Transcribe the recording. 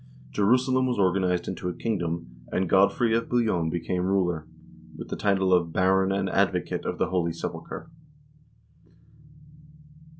Jerusalem was or ganized into a kingdom, and Godfrey of Bouillon became ruler, with the title of "Baron and Advocate of the Holy Sepulchre."